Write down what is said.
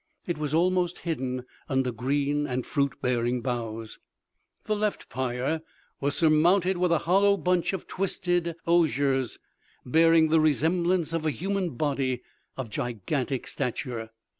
It was almost hidden under green and fruit bearing boughs. The left pyre was surmounted with a hollow bunch of twisted osiers bearing the resemblance of a human body of gigantic stature.